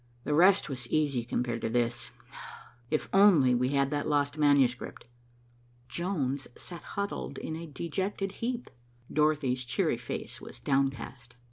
The rest was easy compared to this. If we only had that lost manuscript." Jones sat huddled in a dejected heap. Dorothy's cheery face was downcast.